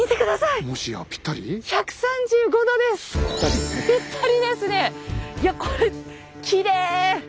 いやこれきれい！